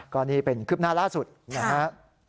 ก่อนนี้เป็นคลิปหน้าล่าสุดนะฮะ